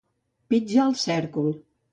Pitjar el cèrcol.